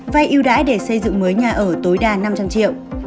vay ưu đãi để xây dựng mới nhà ở tối đa năm trăm linh triệu